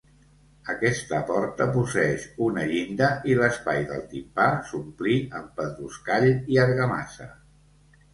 Aquesta porta posseeix una llinda, i l'espai del timpà s'omplí amb pedruscall i argamassa.